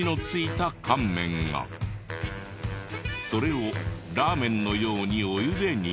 それをラーメンのようにお湯で煮る。